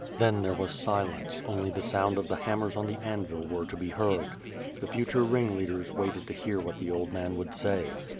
Then there was silence, only the sound of the. hammers on the anvil were to be heard. The future ringleaders waited to hear what the old man would say.